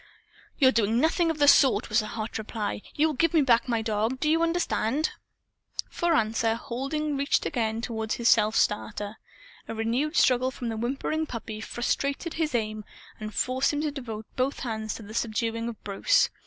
"You're doing nothing of the sort," was the hot reply. "You'll give back my dog! Do you understand?" For answer Halding reached again toward his self starter. A renewed struggle from the whimpering puppy frustrated his aim and forced him to devote both hands to the subduing of Bruce.